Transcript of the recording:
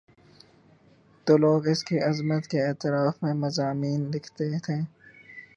تو لوگ اس کی عظمت کے اعتراف میں مضامین لکھتے ہیں۔